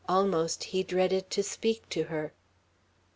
Almost he dreaded to speak to her.